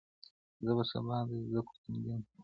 زه به سبا د زده کړو تمرين کوم،